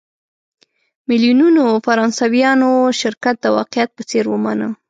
میلیونونو فرانسویانو شرکت د واقعیت په څېر ومانه.